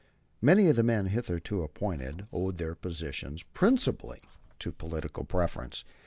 Many of the men hitherto appointed owed their positions principally to political preference.